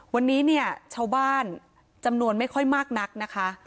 วันนี้เนี่ยชาวบ้านจำนวนไม่ค่อยมากนักนะคะ